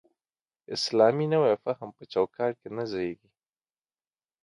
اسلامي نوی فهم په چوکاټ کې نه ځایېږي.